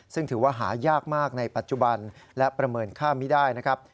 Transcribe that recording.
ซึ่งถือว่าหายากมากในปัจจุบันและประเมินค่าไม่ได้นะครับ